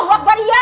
allah akbar ya